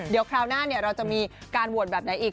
เดี๋ยวคราวหน้าเราจะมีการโหวตแบบไหนอีก